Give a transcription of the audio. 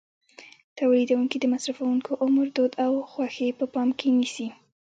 تولیدوونکي د مصرفوونکو عمر، دود او خوښې په پام کې نیسي.